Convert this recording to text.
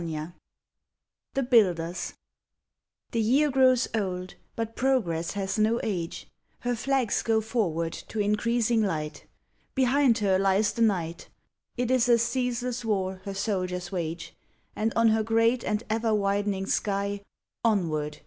101 THE BUILDERS The year grows old, but Progress has no age : Her flags go forward to increasing light ; Behind her lies the night; It is a ceaseless war her soldiers wage, And on her great and ever widening sky, "Onward!"